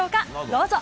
どうぞ。